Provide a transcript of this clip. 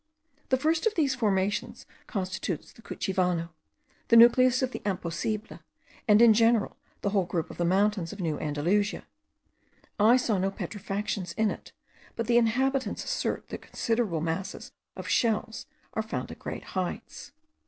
The first of these formations constitutes the Cuchivano, the nucleus of the Imposible, and in general the whole group of the mountains of New Andalusia. I saw no petrifactions in it; but the inhabitants assert that considerable masses of shells are found at great heights.